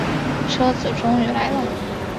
车子终于来了